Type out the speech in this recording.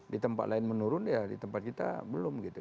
di tempat lain menurun ya di tempat kita belum gitu